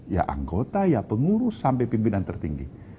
ya anggota ya pengurus sampai pimpinan tertinggi